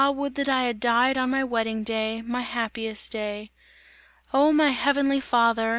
would that I had died on my wedding day, my happiest day! Oh! my heavenly Father!